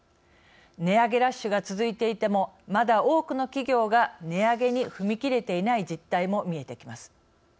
値上げラッシュが続いていてもまだ多くの企業が値上げに踏み切れていない実態も見えてきます。